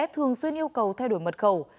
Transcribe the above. thường xuyên yêu cầu thay đổi mật khẩu